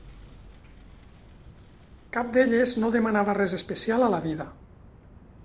Cap d'elles no demanava res especial a la vida.